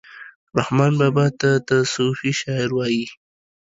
رحمان بابا ته صوفي شاعر وايي